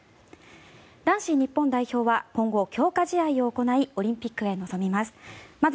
男子日本代表は今後、強化試合を行いオリンピックへ臨みます。